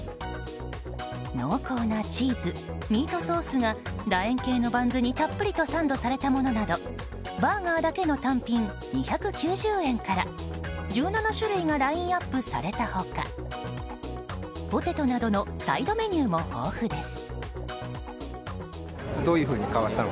濃厚なチーズ、ミートソースが楕円形のバンズにたっぷりとサンドされたものなどバーガーだけの単品２９０円から１７種類がラインアップされた他ポテトなどのサイドメニューも豊富です。